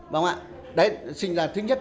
vâng ạ đấy là thứ nhất